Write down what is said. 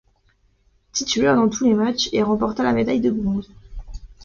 Titulaire dans tous les matchs, il remporta la médaille de bronze.